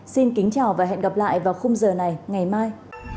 xin kính chào và hẹn gặp lại vào khung giờ này ngày mai